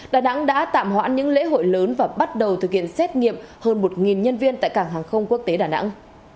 đà nẵng đã tạm hoãn những lễ hội lớn và bắt đầu thực hiện xét nghiệm hơn một nhân viên tại cảng hàng không quốc tế đà nẵng